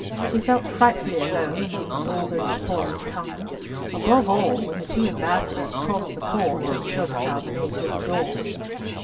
She felt frightfully alone amongst all those foreign tongues, above all when the two ambassadors crossed the court to M. de Salmonnet's little door.